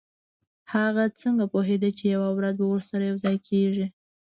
هغه څنګه پوهیده چې یوه ورځ به ورسره یوځای کیږي